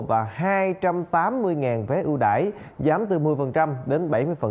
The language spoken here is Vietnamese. và hai trăm tám mươi vé ưu đải giảm từ một mươi đến bảy mươi